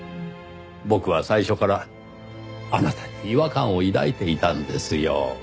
僕は最初からあなたに違和感を抱いていたんですよ。